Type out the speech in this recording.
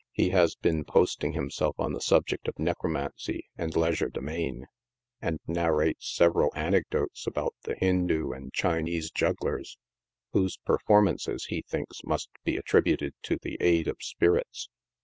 He has been posting himself on the subject of necromancy and legerde main, and narrates several anecdotes about the Hindoo and Chinese jugglers, whose performances, he thinks, must be attributed to the aid of spirits.